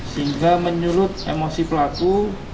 sehingga menyurut emosi pelaku